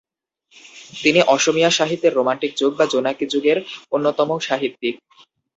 তিনি অসমীয়া সাহিত্যের রোমান্টিক যুগ বা জোনাকী যুগের অন্যতম সাহিত্যিক।